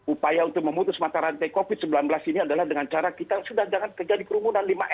upaya untuk memutus mata rantai covid sembilan belas ini adalah dengan cara kita sudah jangan terjadi kerumunan